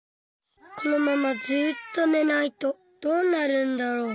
このままずっとねないとどうなるんだろう？